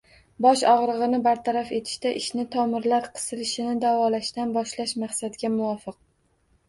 Bosh og‘rig‘ini bartaraf etishda ishni tomirlar qisilishini davolashdan boshlash maqsadga muvofiq.